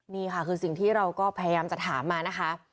นี่ค่ะคือสิ่งที่เราก็พยายามจะถามมานะคะ